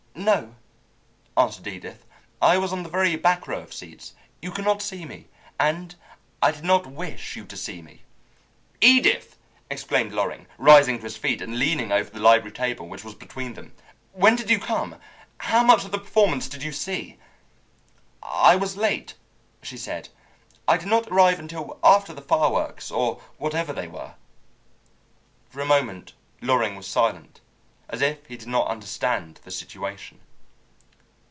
"No," answered Edith. "I was on the very back row of seats. You could not see me, and I did not wish you to see me." "Edith!" exclaimed Loring, rising to his feet and leaning over the library table, which was between them. "When did you come? How much of the performance did you see?" "I was late," she said. "I did not arrive until after the fireworks, or whatever they were." For a moment Loring was silent, as if he did not understand the situation.